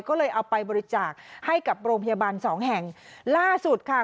ก็เลยเอาไปบริจาคให้กับโรงพยาบาลสองแห่งล่าสุดค่ะ